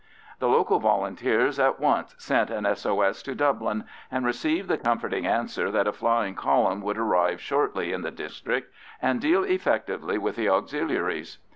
The local Volunteers at once sent an S.O.S. to Dublin, and received the comforting answer that a flying column would arrive shortly in the district and deal effectively with the Auxiliaries.